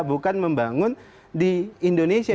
bukan membangun di indonesia